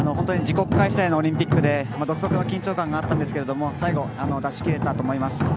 自国開催のオリンピックで独特の緊張があったんですけれども、最後、出し切れたと思います。